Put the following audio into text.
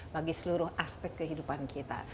bagi seluruh aspek kehidupan kita